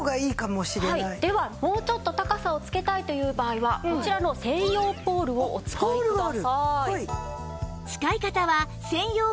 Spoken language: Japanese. ではもうちょっと高さをつけたいという場合はこちらの専用ポールをお使いください。